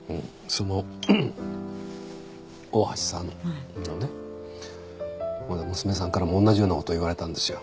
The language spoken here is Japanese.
その大橋さんのね娘さんからもおんなじようなこと言われたんですよ。